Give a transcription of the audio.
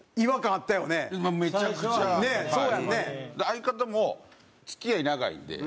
相方も付き合い長いんで。